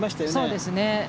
そうですね。